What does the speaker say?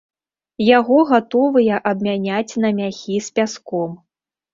Яго гатовыя абмяняць на мяхі з пяском.